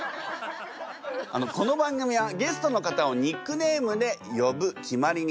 この番組はゲストの方をニックネームで呼ぶ決まりになっています。